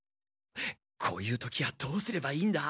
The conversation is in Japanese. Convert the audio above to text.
こういう時はどうすればいいんだ？